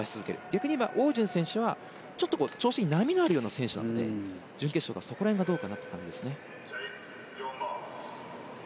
逆に言えば、オウ・ジュン選手はちょっと調子に波のある選手で準決勝は、そこら辺がどうかなという感じです。